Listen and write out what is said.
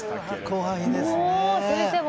怖いですね。